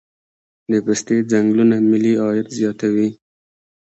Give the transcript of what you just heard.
د پستې ځنګلونه ملي عاید زیاتوي.